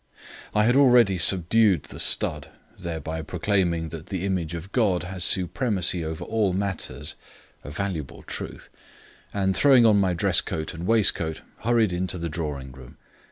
I had already subdued the stud, thereby proclaiming that the image of God has supremacy over all matters (a valuable truth), and throwing on my dress coat and waistcoat, hurried into the drawing room.